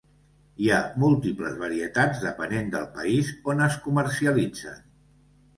Hi ha múltiples varietats depenent del país on es comercialitzen.